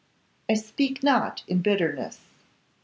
I speak not in bitterness.